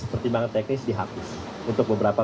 pertimbangan teknis dihapus untuk beberapa